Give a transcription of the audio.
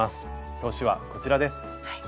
表紙はこちらです。